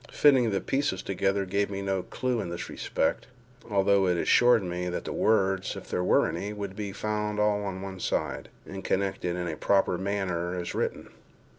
Fitting the pieces together gave me no clew in this respect, although it assured me that the words (if there were any) would be found all on one side, and connected in a proper manner, as written.